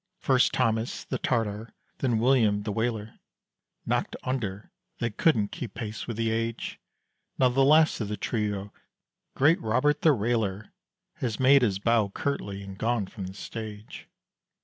First Thomas the tartar; then William the wailer, Knocked under; they couldn't keep pace with the age. Now the last of the trio, great Robert the railer, Has made his _Bow cur_tly and gone from the stage.